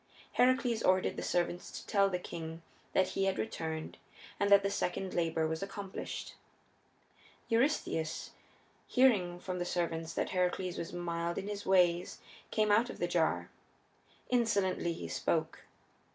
Heracles ordered the servants to tell the king that he had returned and that the second labor was accomplished. Eurystheus, hearing from the servants that Heracles was mild in his ways, came out of the jar. Insolently he spoke.